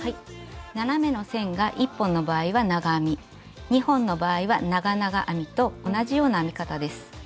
斜めの線が１本の場合は長編み２本の場合は長々編みと同じような編み方です。